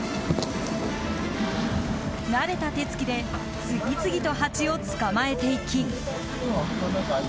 慣れた手つきで次々とハチをつかまえていき。